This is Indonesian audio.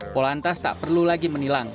polantas tak perlu lagi menilang